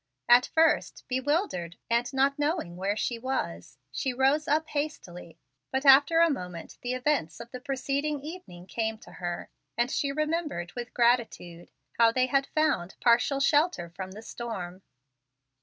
At first, bewildered, and not knowing where she was, she rose up hastily, but after a moment the events of the preceding evening came to her, and she remembered, with gratitude, how they had found partial shelter from the storm.